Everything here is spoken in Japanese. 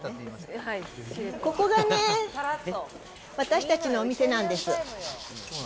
ここがね、私たちのお店なんです。